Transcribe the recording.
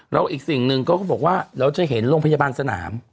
แล้วอีกสิ่งหนึ่งเขาก็บอกว่าเราจะเห็นโรงพยาบาลสนาม